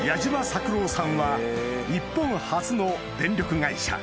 作郎さんは日本初の電力会社